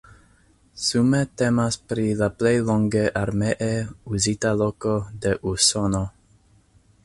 Sume temas pri la plej longe armee uzita loko de Usono.